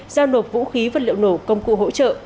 giao nộp vũ khí vật liệu nổ công cụ hỗ trợ